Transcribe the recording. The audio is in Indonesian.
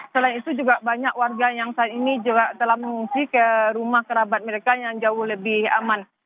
selain itu juga banyak warga yang saat ini juga telah mengungsi ke rumah kerabat mereka yang jauh lebih aman